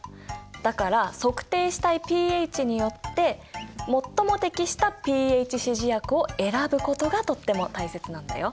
だから測定したいｐＨによって最も適したｐＨ指示薬を選ぶことがとっても大切なんだよ。